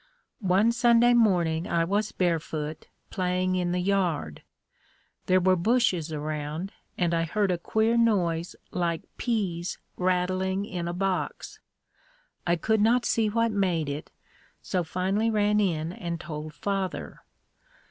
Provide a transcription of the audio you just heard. One Sunday morning I was barefoot, playing in the yard. There were bushes around and I heard a queer noise like peas rattling in a box. I could not see what made it, so finally ran in and told father.